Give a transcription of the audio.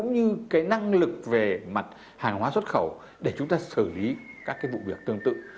năng lực về mặt hàng hóa xuất khẩu để chúng ta xử lý các vụ việc tương tự